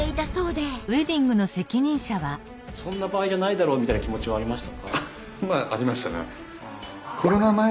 そんな場合じゃないだろみたいな気持ちはありました？